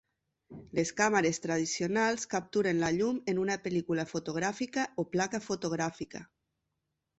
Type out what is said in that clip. Les càmeres tradicionals capturen la llum en una pel·lícula fotogràfica o placa fotogràfica.